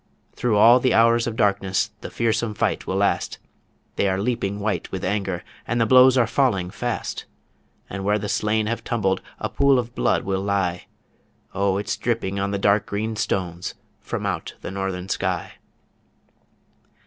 Through all the hours of darkness The fearsome fight will last; They are leaping white with anger, And the blows are falling fast And where the slain have tumbled A pool of blood will lie O it's dripping on the dark green stones from out the Northern Sky.